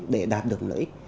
để đạt được lợi ích